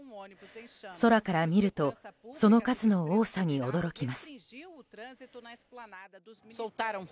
空から見るとその数の多さに驚きます。